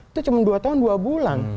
itu cuma dua tahun dua bulan